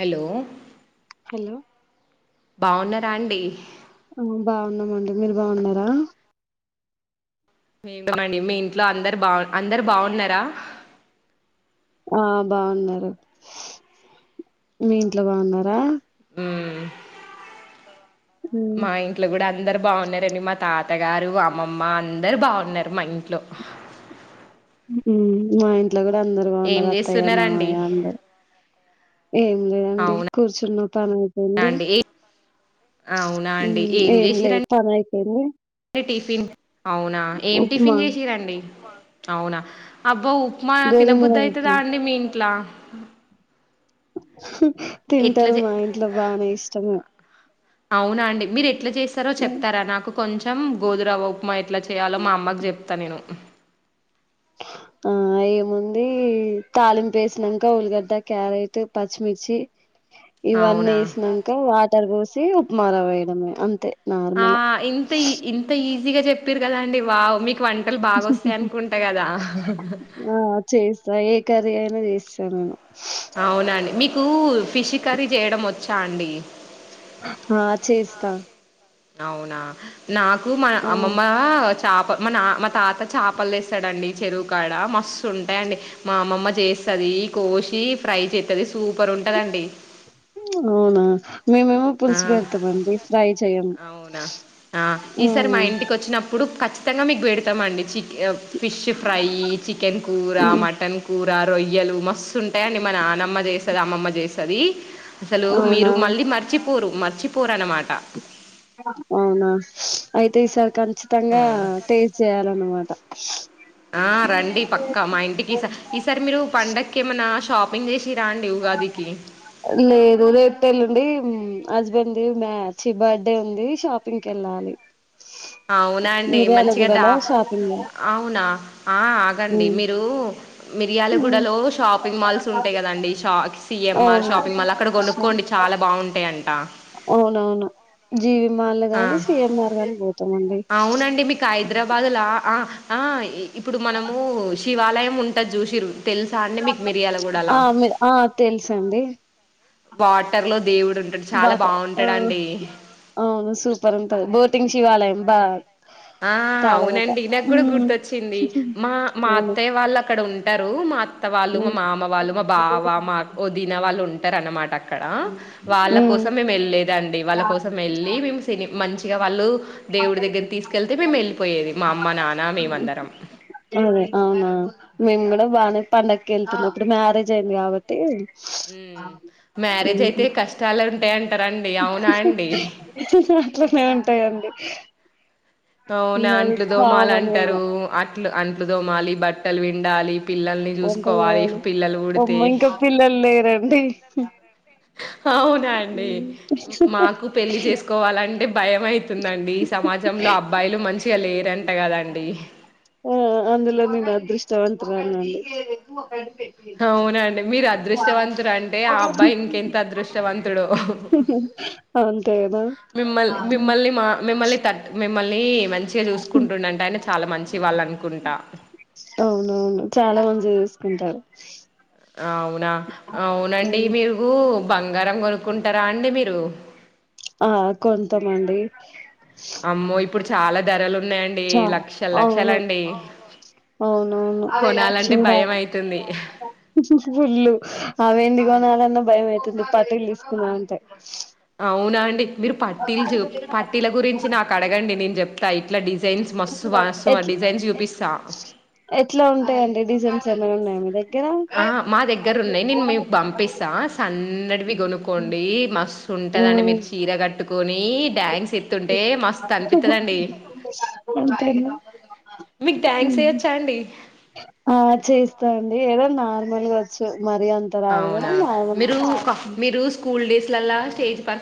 Hello hello బాగున్నారా అండి ఆ బాగున్నామండి మీరు బాగున్నారా మండి మీ ఇంట్లో అందరు బాగు అందరు బాగున్నారా ఆ బాగున్నారు మీ ఇంట్లో బాగున్నారా మ్ హ్మ్. మా ఇంట్లో కూడా అ అందరు బాగున్నారండి మా తాతగారు, అమ్మమ్మ, అందరు బాగున్నారు మా ఇంట్లో ఉ ఇట్లా కూడా అందరు ఏం బాగున్నారు అత్తయ్య చేస్తున్నారండి మామయ్య అందరు ఏం లేదండి అవునా కూర్చున్న పని అయిపోయింది అండి ఏ అవునా అండి ఏం లే పని అయిపోయింది పిన్ అవునా ఏం ఉప్మా టిఫిన్ చేసిరండి అవునా అబ్బో మా గోధుమ తినబుద్ధి రవ్వ అయితేదా ఉప్మా అండి మీ ఇంట్లా అ తింటారు చే మా ఇంట్లో బానే ఇష్టమే అవునా అండి మీరు ఎ ఎట్లా చేస్తారో హ్మ్. చెప్తారా నాకు కొంచెం గోధువ ఉప్మారావ ఎట్లా చేయాలో మా అమ్మకి చెప్తా నేను ఆ ఏముంది తాళిం పేసినాక ఉల్లిగడ్డ క్యారెట్ పచ్చిమిర్చి ఇవన్నీ అవునా! వేసినాక వాటర్ కో ఉప్మారవా వేయడమే అంతే ఆ నార్మలే ఇంత ఈ ఇంత ఈ గా చెప్పారు కదా అండి వావ్ మీ వంటలు బాగొస్తాయి అనుకుంటాయి కదా ఆ చేస్తా ఏ కర్రీ అయినా చేస్తా నేను అవునండి మీకు ఫిష్ కర్రీ చేయడం వచ్చా అండి ఆ చేస్తా అవునా నాకు మ ఆ అమ్మమ్మ చాప మన మా తాత చాపలు తెస్తాడండి చెరువుకాడ మ స్తుఉంటాయండి మా అమ్మమ్మ చేస్తది కోశి ఫ్రై చేస్తది సూపర్ ఉంటదండి అవునా మేమేమో ఆ పులుసు పెడతామండి ట్రై చేయం అవునా ఆ ఈసారి మా ఇంటికి వచ్చినప్పుడు ఖచ్ ఖచ్చింగా మీకు పెడతామం [unintelligible] ఫిష్ ఫ్రై చికెన్ కూరా ఉమ్ మటన్ కూర్ ఆ రొయ్యలు మస్తు ఉంటాయండి మా నానమ్మ చేస్తది అమ్మమ్మ చేస్తది అసలు అవునా మీరు మళ్ళీ మర్చి పూరు మర్చి పూరణం అక్క అవునా అయితే ఈ సార్ కం ఖచ్చితంగా తేజ్ చేయాలన్నమాట ఆ రండి పక్కా మా ఇంటికి ఈసా ఈసారి మీరు పండక్కి ఏమన్నా షాపింగ్ చేసి లేదుదేట్టేళండి [unintelligible] హస్బెండ్ ది మ్యా ఛీ బర్త్డే ఉంది షాపింగ్ కి వెళ్ళాలి అవునండి మంచిగా దా మిర్యాలగూడలో షాపింగ్ అవునా ఆ ఆగండి ఉమ్ మీరూ మిర్యాలగూడ లో షాపింగ్ మాల్స్ ఉమ్ ఉంటాయి కదండి షా సిఎంఆర్ అవును షాపింగ్ మాల్ అక్కడ సో కొనుక్కోండి చాలా బాగుంటాయంట జీవిమాల్లు ఆ గాని సిఎంఆర్ గాని పోతామండి అవునండి మీకు హైదరాబాద్లా ఆ ఆ ఇ ఇప్పుడు మనమూశ్ శివాలయం ఉంటది జూషిరు ఆ ఆ తెలుసండి వాటర్లో దేవుడ్ వాత ఆ అవును సూపర్ ఉంటది బోటింగ్ శివాలయం బా ఆ తాళగట్ట అవునండి నాకు కూడా మ్మ్ గుర్తొచ్చింది మా మా అవును అత్తయ్య వాళ్ళక్కడ ఉం ంటారు మా [unintelligible] వాళ్ళు మా మ్మ్ మామవాళ్ళు మా బావ మా అక్ వదిన వాళ్ళు ఉంట అన్నమాటా [unintelligible] అక్కడ వాళ్ళ మ్మ్ కోసం మేము వెళ్ళలేదాండి వాళ్ళ కోసం వెళ్ళి మే మంచిగా వాళ్ళు దేవుడి దగ్గర తీసుకెళ్తే మేము వెళ్ళిపోయేది మా అమ్మ నాన్న మేమ అందరం అవునా మేము కూడా బాగానే పండగ వెళ్తున్నాం అప్పుడు మ్యారేజ్ అయింది కాబట్టి ఉ మ్యారేజ్ అయితే హ్మ్ కష్టాల టండి అట్లానే ఉంటాయండి అవునా ఇంగ అది అంట్లు కామన్ ఇగ తోమాలంటరు అ అంట్లుతోమాలి బట్ వంటచేయాలి పిల్లలు పుడితే ఓయమ్మ ఇంకా పిల్లలు లేరండి స అవునా అండి మాకు పెళ్లి చేసుకోవాలంటే భయం అయితుందండి సమాజంలో అబ్బాయిలు మంచిగా లేరు ఆ అందులో నిద అదృష్టవంతరాండి అవునండి మీరు అదృష్టవంతుడు అంటే ఆ అబ్బాయి ఇంకెంత అదృష్టవంతుడు అంతే కదా మిమ్మల్ని మిమ్మల్ని మా మిమ్మల్ని మిమ్మల్ని మంచిగా చూకుంటుండంట ఆయన చాలా మంచి వాళ్ళు అనుకుంటా అవునవును చాలా మంచి ఉంటారు అవునా అవునండి మీరుగు బంగారం కొనుక్కుంటారా అండి మీరు ఆ కొంతమండి అమ్మోయి ఇప్పుడు చాలా ధరలు ఉన్నాయండి చ లక్షలు అవును లక్షలండి అవునవును కొనాలంటే భయం చూడాలి అయితుంది పుల్ళ అవి ఎందు కొనాలన్న భయం కొన్ని పట్టటీలు తీసుకునే ఉంటాయి అవునా అండి మీరు పట్టీలు పట్టీల గురించి నాకు అడగండి నేను చెప్ ఇట్లా డి ఎ ఎట్లా ఉంటాయంండి డీజెంట్స్ ఏమైనా ఉన్నాయా దగ్గర ఆ మా దగ్గర ఉన్నాయి నేను మీకు పంపిస్తా స అన్నడివి ఆ కొనుకోోండి మస్తు ఉంటదండి మీరు చీర కట్టు పోని అనిపిత్తదండి అంతే మీకు డ్యాన్స్ ఏయొచ్చా అండి ఆ చేస్తాండి ఏదోన్నా లు కావచ్చు అవునా మీరు ఒక మీరు స్కూల్ డేస్ లల్ల స్టేజ్ పర్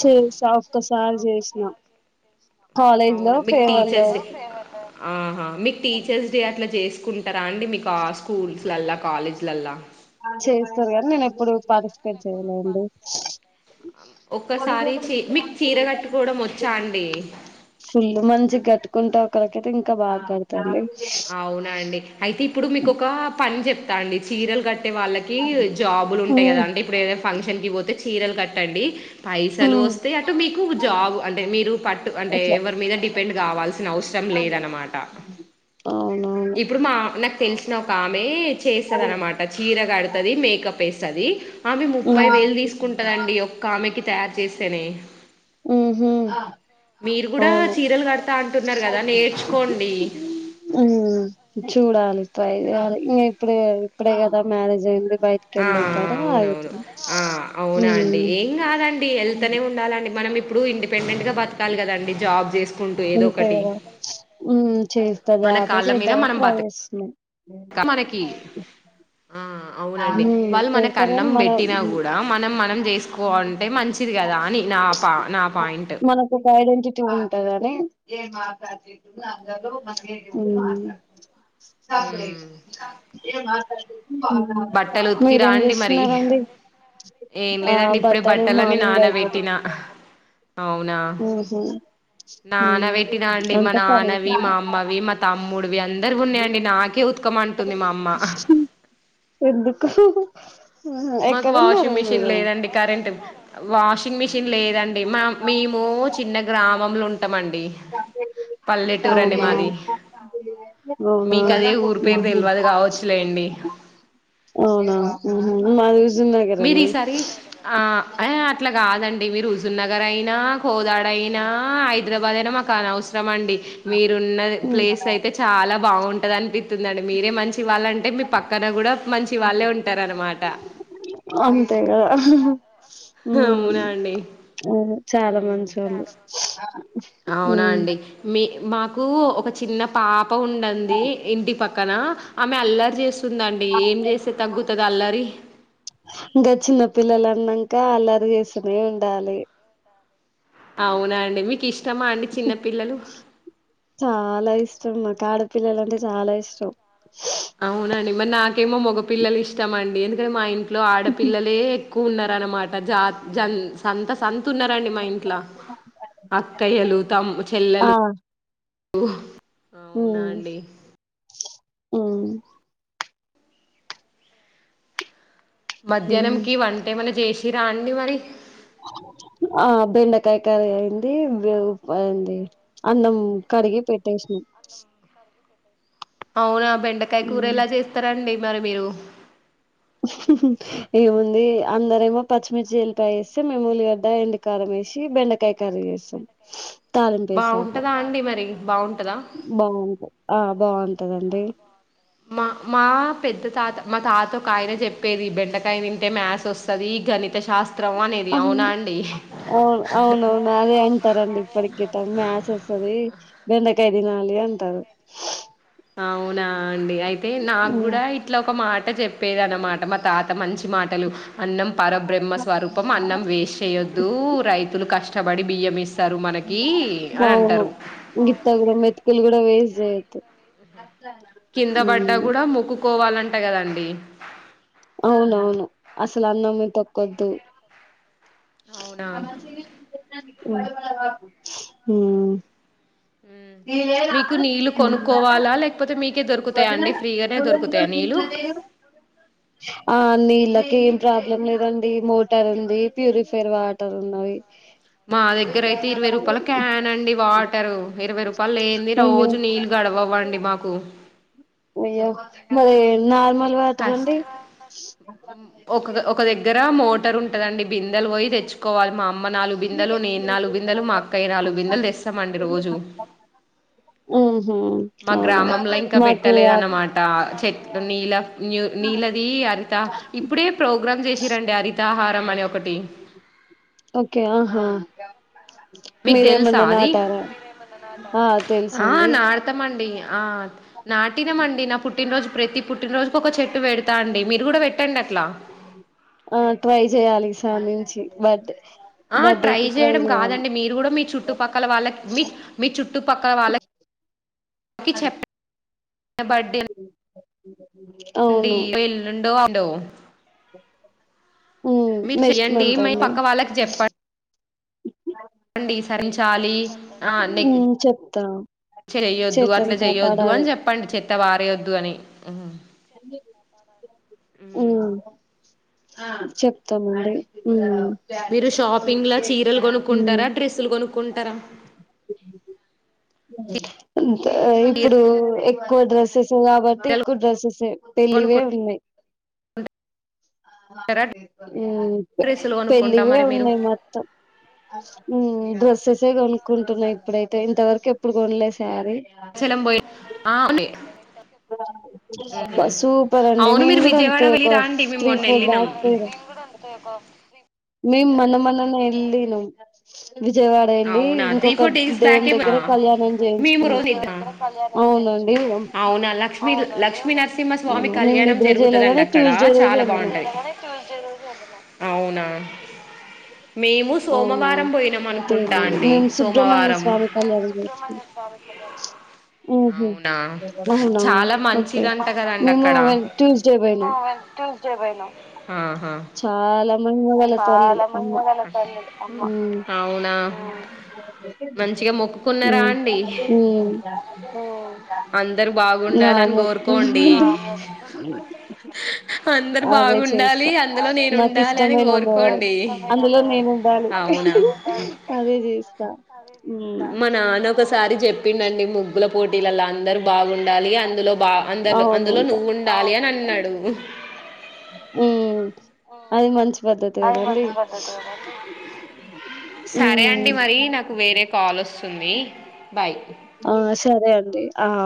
చేసా ఒక్కసారి చేసినా కాలేజ్ లో అవునా మీకు ఫేర్వెల్ టీచర్స్ డే రోజు ఆహా మీకు టీచర్స్ డే అట్లా చేస్త తీసుకుంటారా అండి మీకు స్కూల్స్లలా కాలేజీలల్ల చేస్తారు కానీ నేను ఎప్పుడు పార్టిసిపేట్ చేయలేండి ఒక్కసారి చీ మీకు చీర కట్టుకోవడం వచ్చా అండి ఫుల్లు మంచి కట్ కుంటే ఒకరికైతే ఇంకా బాగా కడతాండి అవునా అండి అయితే ఇప్పుడు మీకు ఒక పని చెప్ తాండి చీరలు కట్టి వాళ్ళకి జాబులు ఉంటాయి కదా అండి ఇప్పుడు ఏద ఫంక్షన్కి పోతే చీరలు కట్టండి పైసలు ఉమ్, వస్తే అటు మీకు జాబ్ అంటే మీరు పట్టు అంటే ఇట్లా ఎవరి మీద డిపెండ్ కావాల్స అవసరం లేదనమాట అవునవును ఇప్పుడు మా న తెలిసినా ఒక ఆమె చేస్తద అనమాట చీరగా అడు ది మేకప్ వేస్తది అవి ముప్పై వేలు ఉమ్. తీసుకుంటుదండి ఒక్క ఆమెకి తయారు చేసానే ఉహ్మ్ కూడా అవును చీరలు కడతా అంటున్నారు కదా నేర్చుకోండి హ్మ్ చూడాలి అభిప్రాయ ఇంకా ఇప్పుడు ఇప్పుడే కదా మ్యారేజ్ అయింది బైట్ ఆ కళద్దనే అవునవును ఆగుతున్న ఆ అవునా అండి ఏం ప్పుడు ఇంది పెండెంట్గా బతాకలి కదండి జాబ్ చేసుకుంటూ ఏదో ఒకటి అంతగా హ్మ్ చే తది మన ఆపే కాళ్ళ మీద చేద్దావా మనం ట్రై బతక చేస్తున్నా మనకి ఆ అవునండి, ఉమ్ వాళ్ళు మనకు అన్నం చేస్తారని మన పెట్టినా కూడా, మనం మనం చేసుకోంటే మంచిది కదా అని నా పా నా పాయింట్ మనకు ఒక ఐడెంటిటీ ఉంటుందని [inaudible] మ్మ్ అే బట్టలు ఉతికిరా మీరేం అండి మరి చేస్తున్నరండి ఏం లేదండి ఇప్పుడే బట్టలని నానబెట్టినా అవునా నాన్న ఉమ్ పెట్టిన అండి మా అంత పని నాన్నవి మా అమ్మవి మా అయిపోయింది తమ్ముడివి అందరు ఉన్నాయండి నాకే ఉత్కం అంటుంది మా అమ్మ ఎందుకు మాకు ఎక్కడున్నారు వాషింగ్ మిషిన్ మీరు లేదండి కరెంట్ వాషి మీ లేదండి మా మేము చిన్న గ్రామంలో ఉంటామండి, పల్లెటూరు అండి అవునా మాది, అవునా మీకు అదే ఊరి పేరు ఉహు తెలియదు కావచ్చులేండి మా మీరు ఈసారి ఆ అట్లా కాదండి అంటే మీరుుజున్నగారు అయినా హోదాడయినా, హైదరాబాద్ అయినా మాకు అనవసరం అండి, మీరున్న ప్లేస్ అయితే చాలా బాగుం అనిపిస్తుదండి మీరే మం మంచి వాళ్ళంటే మీ పక్కన కూడా మంచి వాళ్ళే ఉంటార అనమాట అంతేగా ఉ అవునా అండి అదే చాలా ఉమ్, మంచి వాళ్ళు అవునా అండి మీ మాకు ఒక చిన్న పా ప ఉండంది ఇంటి పక్క పక్కన ఆమె అల్లర్ చేస్ స్తుందండి ఏం చేస్తే తగ్గుతుంది అల్ల డి ఇంకా చిన్న పిల్లలు అన్నాక అల్లరి చేస్తూనే ఉండాలి అవునా అండి మీకు ఇష్టమా అండి చిన్న పిల్లలు చాలా ఇష్టం మా కాడపిల్లల అంటే చాలా ఇష్టం అవునండి మరి నాకేమో మగ పపిల్లలు ఇష్టంమండి ఎందు ఇక్కడ మా ఇంట్లో ఆడపిల్లలే ఎక్కువ ఉన్నా వనమా ప్రజాత జల్ సంత సంత న్నారండి మా ఇంట్లో అక్కయ్యలు తము ఆ చెల్లెలు హ అవునా అండి హమ్ మధ్యాహ్నం ఉమ్ కి వంటే మన చేసిరా అనివారి ఆ బెండకాయకార అయింది అయింది అన్నం కడిగి పెట్టేసినాం అవునా బెండకాయ కూర ఇలా చేస్తారంండి మరి మీరు ఏముంది అందరేమో పచ్చిమిర్చి ఏల్లిపాయ వేస్తే, మేము ఉల్లిగడ్డ ఎండు కారం వేసి బెండకాయ కర్రీ చేస్తాం తాళంపు ఏసాక బాగుంటదా అండి మరి బాగుంటదా బాగుంట ఆ బాగుంటదండి మా మా పెద్ద తాత, మా తాత ఒక ఆయన చెప్పేది బెండకాయ తింటే మ్యాథ్ వస్తుది గణిత శాస్ అవును అవును అవునవును అదే అంటారండి ఇప్పటికే మ్యాస్ వస్తది బెండకాయ తినాలి అంటారు అవునా అండి అయితే నాకు కూడా ఇట్లా ఒక మాట అట చెప్పేది అన్నమాట మా తాత మంచి మాటలు అన్నం పరబ్రహ్మ స్వరూపం అన్నం వేస్ట్ చేయొద్దు రైతులు కష్టం తబీ బియ్యం ఏస్ అవును గిత్తా కూడ మెతుకుల్ కూడ వేస్ అయితే కిందబడ్డ కూడ ముక్కుకోవాలంటే కదండి అవునవును అసలు అన్నము తొక్కొద్దు అవునా అ మంచిగానే ఉంది హమ్ మీకు నీళ్లు కొనుక్కోవాలా లేకపోతే మీకు ఆ నీళ్ళు ఏం ప్రాబ్లం లేదండి మోటార్ ఉంది ప్యూరిఫైర్ వాటర్ ఉన్నవి మా దగ్గర అయితే ఇరవై రూపాయల క్యాన్ అండి వాటరు ఇరవై రూపాయలు లేని అయ్యో రోజు నీళ్లు గడవవ్వండి మాకు అయ్యో మరీ నార్మల్ వాటర్ కష్ట రండీ కాదండి బిందెలు పోయి తెచ్చుకోవాలి. మామ్ అమ్మ నాలుగు బిందెలు నేను నాలుగు బిందెలు, మా అక్కయ్య నాలుగు బిందెలు తెస్తామండి రోజు. ఉహు మా అవునా గ్రామంలో ఇంకా మాకు వాట పెట్టలేన్నమాట చెట్టు నీలా న్యూ నీల్లది హరిత ఇప్పుడే ప్రోగ్రామ్ చేసిరండి. హరితాహారం అని ఒకటి యావ్ మీకు తెలుసా అది ఆ ఆ తెలుసండి నాడతామండి. ఆ నాటినమండి నా పుట్టినరోజ్ ప్రతి పుట్టినరోజుకి ఒక చెట్టు పెడతా అండి. మీరు కూడా పెట్ ఆ ట్రై చేయాలి స్వామించి బర్డే ఆ ట్రై చేయడం కాదండి మీరు కూడా మీ చుట్టుపక్కల వాళ్ళకి మీ మీ చుట్టుపక్కల వాళ్ళకి చెప్ప బడేల డి అవును వెళ్ల్ండో అప్ డో ఉమ్ మీరు నెక్స్ట్ చెయ్యండి. మంత్ మీ అండి పక్క వాళ్ళకి చెప్పండ్ డి సరించాలి ఆ నె ఉమ్ చెప్తా చెయ్యొద్దు, చెట్లను అట్లా చేయొద్దు, కాపాడాలి అని చెప్పండి. చెత్త వారేయొద్దు అని ఉహ్ అన్నీ [inaudible] ఉహ్ చెప్తా మరి మీరు షాపింగ్ లా చీరలు కొనుక్కుంటారా, ఉమ్ డ్రెస్సులు కొనుక్కుంటారా. ఏ చీరలు ఇప్పుడు ఎక్ కోవ్ డ్రెసెస్ కాబట్టి ఎక్కువ డ్రెస్సెసే. పెళ్లివే కొనుక్కుంటారా ఉన్నాయ్. ఉహ్మ్ డ్రెస్సులు కొనుక్కుంటా పెళ్లివే మరి మీరు ఉన్నాయి మొత్తం. ఉహ్మ్ డ్రెస్సెసే కొనుక్కుంటున్నా. ఇప్పుడైతే ఇంతవరకు ఎప్పుడు కొనలే శారీ. లం పోయి ఆవు ఉహ్ హు సూపర్ అండి అవును నేను మీరు కూడా అంతే విజయవాడ్ డ వెళ్ళి ఒక రాండి. మేం త్రీ మొన్న ఫోర్ వెళ్ళినం మీమ్ మన్న మన్ననే ఎల్లినం అవునా త్రీ ఫోర్ డేస్ దేవుని బ్యాకే. దగ్గర ఆహ్ కళ్యాణం మిమ్ చేయించుకున్నాం రోజ్ ఆహ్ అవునండి అవునా లక్ష్మి లక్ష్మీ నరసి నరసింహ స్వామి అవును మేము కళ్యాణం నిద్ర జరుగుతాధండి. చేయలేగానే అక్కడ ట్యూస్డే రోజు చాలా వెళ్ళినాం బాగుంటది. అవునా మేము అవునా సోమవారం పోయినాం అనుకున్ మేము సుబ్రహ్మణ్య స్వామి కలో [unintelligible] వచ్చి అవునా అవునా చాలా ఓకే మంచిదంట కదండి మేము ట్యూస్డే పోయినం చే పోయినాం ఆహా [unintelligible] వాళ్ళ తల్లి అమ్మ హ్మ్ అవునా మంచిగా మొక్కుకున్నారా హ్మ్ అండి హ్మ్ అందరు ఆ బాగుండాలని కోరుకోండి మోక్కుకుంటునుంటి అందరు బాగుండాలి అందులో నేను నాకు ఉండాలి అని ఇష్టమైన కోరుకు అందులో నేను ఉండాలి. అవునా అదే చేశ్న మా నాన్న ఒకసారి చెప్పిండండి ముగ్గుల పోట్ పల్లల అందరుూ బాగుండాలి. అన్ బా అందర్లో అందులో అవునంట నువ్వు ఉండాలి. అని అన్నాడు ఉమ్ అది మంచి పద్ధతి కదండి సరే ఉమ్ అండి మరి నాకు వేరే కాల్ ఒస్తుంది బాయ్ ఆ సరే అండి ఆ